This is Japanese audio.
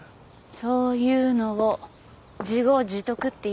そういうのを自業自得っていうんじゃない？